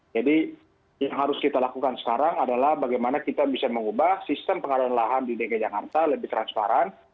jadi yang harus kita lakukan sekarang adalah bagaimana kita bisa mengubah sistem pengadaan lahan di dki jakarta lebih transparan